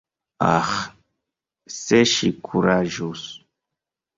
Aĥ, se ŝi kuraĝus!